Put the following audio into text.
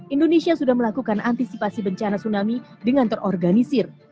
indonesia sudah melakukan antisipasi bencana tsunami dengan terorganisir